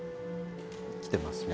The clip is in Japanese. きてますね。